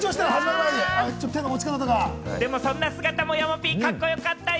でもそんな姿も山Ｐ、カッコ良かったよ。